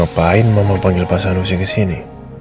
ngapain mama panggil pak sanusi kesini